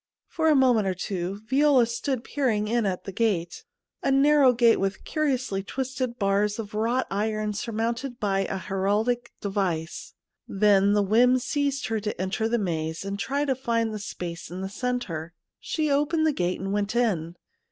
For a moment or two Viola stood peering in at the gate — a nax*row gate with curiously twisted bars of wrought iron surmounted by a heraldic device. Then the whim seized her to enter the maze and try to find the space in the centre. She opened the gate and went in.